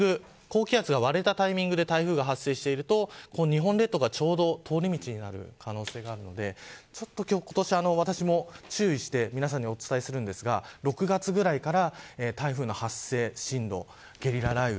高気圧が割れたタイミングで台風が発生していると日本列島がちょうど通り道になる可能性があるので今年は、私も注意して皆さんにお伝えするんですが６月ぐらいから台風の発生進路、ゲリラ雷雨